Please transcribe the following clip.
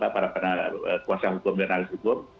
para kuasa hukum dan analis hukum